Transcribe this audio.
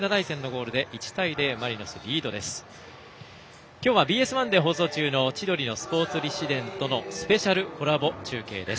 きょうはＢＳ１で放送中の「千鳥のスポーツ立志伝」とのスペシャルコラボ中継です。